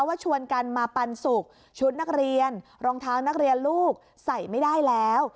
ว่าชวนกันมาปันสุกชุดนักเรียนรองเท้านักเรียนลูกใส่ไม่ได้แล้ว